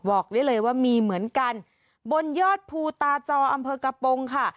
บอกได้เลยว่ามีเหมือนกันบนยอดภูตาจออำเภอกระโปรงค่ะ